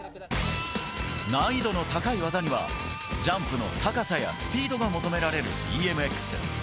難易度の高い技にはジャンプの高さやスピードが求められるＢＭＸ。